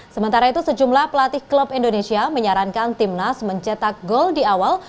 sementara itu sejumlah pelatih klub indonesia menyarankan timnas mencetak gol di awal